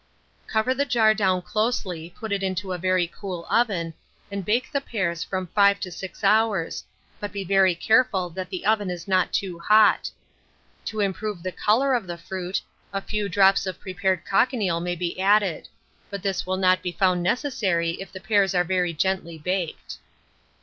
Cover the jar down closely, put it into a very cool oven, and bake the pears from 5 to 6 hours, but be very careful that the oven is not too hot. To improve the colour of the fruit, a few drops of prepared cochineal may be added; but this will not be found necessary if the pears are very gently baked.